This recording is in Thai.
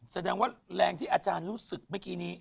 แสดงว่าแรงที่อาจารย์รู้สึกเมื่อกี้นี้